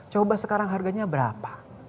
coba sekarang harganya berapa